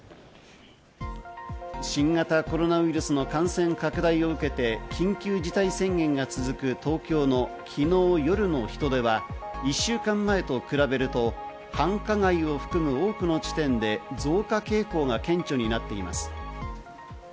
新型コロナウイルスの感染拡大を受けて緊急事態宣言が続く東京の昨日、夜の人出は１週間前と比べると繁華街を含む多くの地点で増加傾向が顕著になっています。